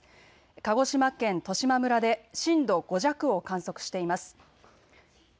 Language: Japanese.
鹿児島県十島村で震度５弱を観測しています。